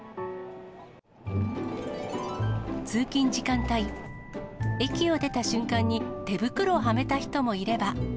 通勤時間帯、駅を出た瞬間に、手袋をはめた人もいれば。